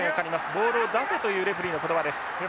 ボールを出せというレフリーの言葉です。